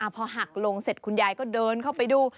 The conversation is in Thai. พอหักลงเสร็จคุณยายก็เดินเข้าไปดู